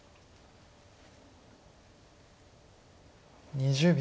２０秒。